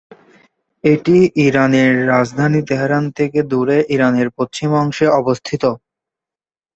এটি ইরানের রাজধানী তেহরান থেকে দুরে ইরানের পশ্চিম অংশে অবস্থিত।